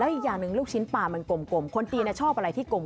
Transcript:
อีกอย่างหนึ่งลูกชิ้นปลามันกลมคนจีนชอบอะไรที่กลม